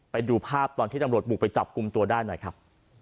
ไปดูภาพตอนที่ตำรวจบุกไปจับกลุ่มตัวได้หน่อยครับ